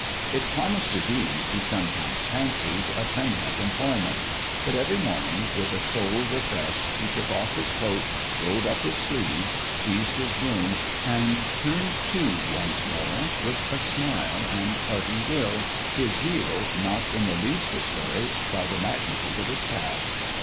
It promised to be, he sometimes fancied, a per manent employment ; but every morning, with a soul refreshed, he took off his coat, rolled up his sleeves, seized his broom and turned to once more, with a smile and a hearty will, his zeal not in the least discouraged by the magnitude of his task.